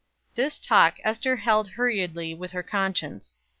This talk Ester held hurriedly with her conscience.